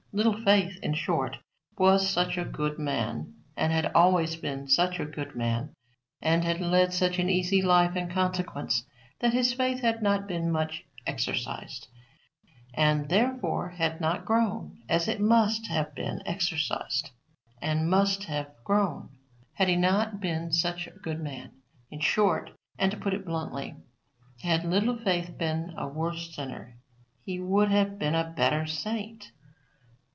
Little Faith, in short, was such a good man, and had always been such a good man, and had led such an easy life in consequence, that his faith had not been much exercised, and therefore had not grown, as it must have been exercised and must have grown, had he not been such a good man. In short, and to put it bluntly, had Little Faith been a worse sinner, he would have been a better saint.